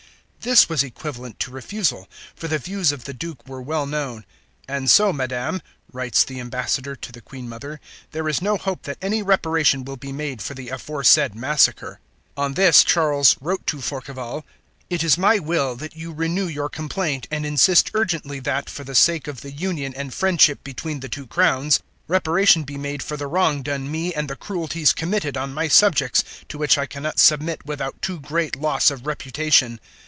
This was equivalent to refusal, for the views of the Duke were well known; "and so, Madame," writes the ambassador to the Queen Mother, "there is no hope that any reparation will be made for the aforesaid massacre." On this, Charles wrote to Forquevaulx "It is my will that you renew your complaint, and insist urgently that, for the sake of the union and friendship between the two crowns, reparation be made for the wrong done me and the cruelties committed on my subjects, to which I cannot submit without too great loss of reputation."